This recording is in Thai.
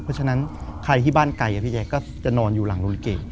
เพราะฉะนั้นใครที่บ้านไกลพี่แจ๊คก็จะนอนอยู่หลังโลลิเก